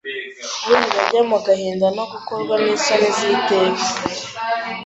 Urira ajya mu gahinda no gukorwa n'isoni z'iteka